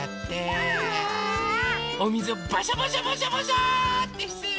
おみずをバシャバシャバシャバシャってしてるのかな？